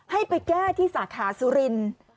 ให้ไปแก้ที่สาขาสุรินทร์